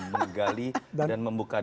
menggali dan membuka data